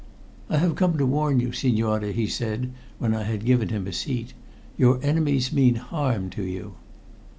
"I have come to warn you, signore," he said, when I had given him a seat. "Your enemies mean harm to you."